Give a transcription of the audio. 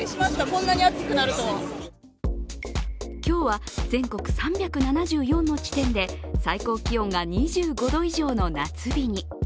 今日は、全国３７４の地点で、最高気温が２５度以上の夏日に。